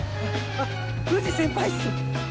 あっ藤先輩っす！